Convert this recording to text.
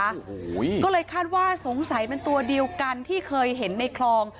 โอ้โหก็เลยคาดว่าสงสัยมันตัวเดียวกันที่เคยเห็นในคลอง